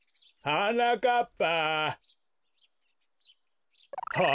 はなかっぱ！